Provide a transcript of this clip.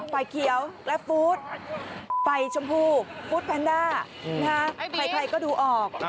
ไฟเขียวและฟู้ดไฟชมพูฟู้ดแพนด้าใครก็ดูออก